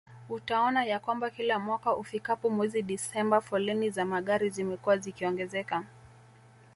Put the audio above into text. Utaona ya kwamba kila mwaka ufikapo mwezi Desemba foleni za magari zimekuwa zikiongezeka